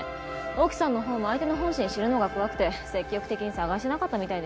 沖さんのほうも相手の本心知るのが怖くて積極的に捜してなかったみたいですし。